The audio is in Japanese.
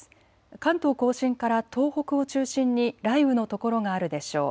関東甲信から東北を中心に雷雨の所があるでしょう。